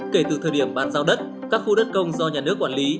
kể từ thời điểm bàn giao đất các khu đất công do nhà nước quản lý